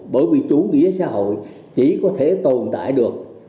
bởi vì chủ nghĩa xã hội chỉ có thể tồn tại được